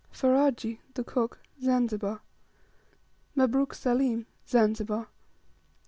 Ferajji (the cook), Zanzibar. 27. Mabruk Saleem, Zanzibar.